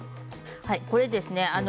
はいこれですね